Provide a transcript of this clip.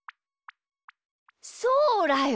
そうだよ！